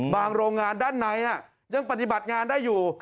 โรงงานด้านในยังปฏิบัติงานได้อยู่